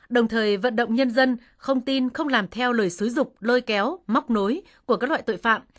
đồng thời vận động nhân dân không tin không làm theo lời xứ dục lôi kéo móc nối của các loại tội phạm